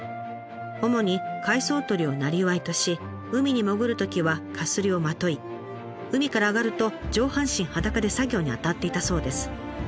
主に海藻とりをなりわいとし海に潜るときはかすりをまとい海から上がると上半身裸で作業に当たっていたそうです。